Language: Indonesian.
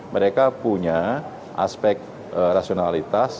mereka punya aspek rasionalitas